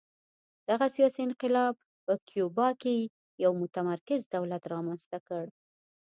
دغه سیاسي انقلاب په کیوبا کې یو متمرکز دولت رامنځته کړ